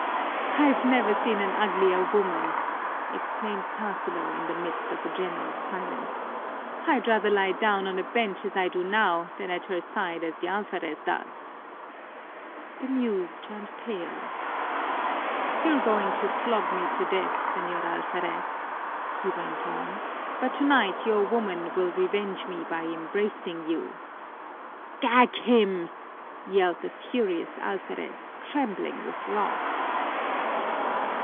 "I've never seen an uglier woman!" exclaimed Tarsilo in the midst of a general silence. "I'd rather lie down on a bench as I do now than at her side as the alferez does." The Muse turned pale. "You're going to flog me to death, Señor Alferez," he went on, "but tonight your woman will revenge me by embracing you." "Gag him!" yelled the furious alferez, trembling with wrath.